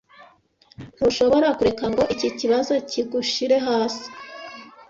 Ntushobora kureka ngo iki kibazo kigushire hasi.